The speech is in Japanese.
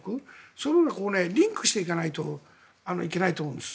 それがリンクしていかないといけないと思うんです。